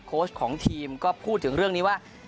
ของทีมก็พูดถึงเรื่องนี้ว่า